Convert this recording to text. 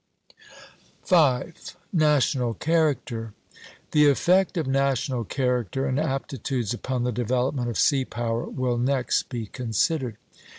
V. National Character. The effect of national character and aptitudes upon the development of sea power will next be considered.